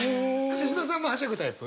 シシドさんもはしゃぐタイプ？